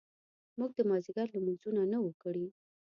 موږ د مازیګر لمونځونه نه وو کړي.